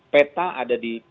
peta ada di